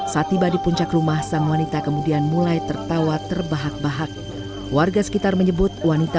saat tiba di puncak rumah sang wanita kemudian mulai tertawa terbahak bahak warga sekitar menyebut wanita